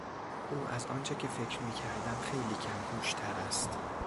او از آنچه که فکر میکردم خیلی کم هوشتر است.